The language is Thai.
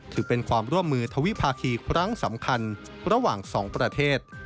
ถือเป็นความร่วมมือทวิภาคีครั้งสำคัญระหว่างสองประเทศ